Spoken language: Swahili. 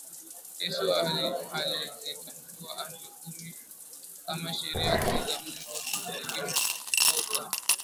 Yesu alizitambua Amri kumi kama sheria kuu za Mungu na msingi Mkuu ambao kwa